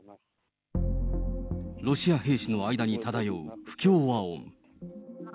ロシア兵士の間に漂う不協和音。